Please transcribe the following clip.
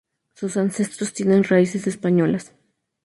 Sus ancestros tienen raíces españolas.